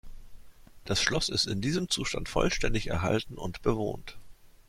Das Schloss ist in diesem Zustand vollständig erhalten und bewohnt.